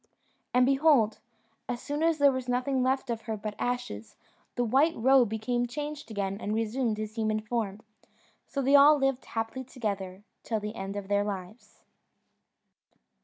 And behold! as soon as there was nothing left of her but ashes, the white roe became changed again and resumed his human form; so they all lived happily together till the end of their lives.